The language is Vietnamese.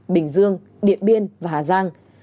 bình dương điện biên và hà giang